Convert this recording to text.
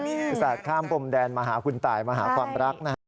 ภาษาข้ามกลมแดนมหาคุณตายมหาความรักนะครับ